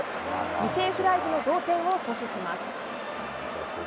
犠牲フライによる同点を阻止します。